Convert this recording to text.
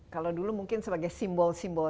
kalau dulu mungkin sebagai simbol simbol